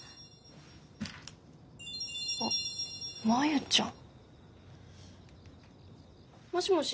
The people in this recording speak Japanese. あっ真夕ちゃん。もしもし？